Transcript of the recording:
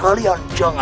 benar ibu undang